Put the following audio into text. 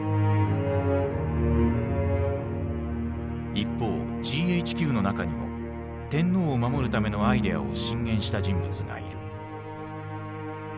一方ＧＨＱの中にも天皇を守るためのアイデアを進言した人物がいる。